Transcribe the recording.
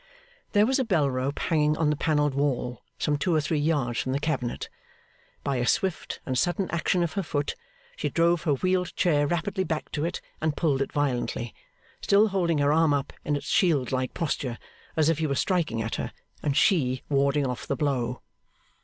There was a bell rope hanging on the panelled wall, some two or three yards from the cabinet. By a swift and sudden action of her foot, she drove her wheeled chair rapidly back to it and pulled it violently still holding her arm up in its shield like posture, as if he were striking at her, and she warding off the blow.